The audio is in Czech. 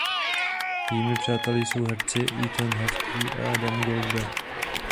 Jejími přáteli jsou herci Ethan Hawke a Adam Goldberg.